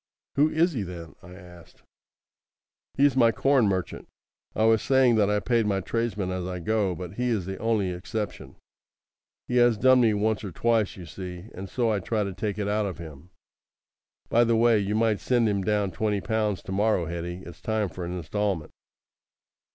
"Who is he, then?" I asked. "He's my corn merchant. I was saying that I paid my tradesmen as I go, but he is the only exception. He has done me once or twice, you see; and so I try to take it out of him. By the way, you might send him down twenty pounds to morrow, Hetty. It's time for an instalment."